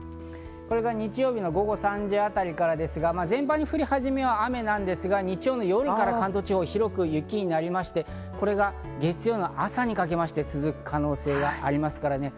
これが日曜日の午後３時あたりからですが全般に降り始めは雨なんですが、日曜の夜から関東は広く雪になりまして月曜の朝にかけて続く可能性があります。